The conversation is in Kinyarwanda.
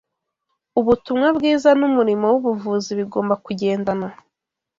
Ubutumwa bwiza n’umurimo w’ubuvuzi bigomba kugendana.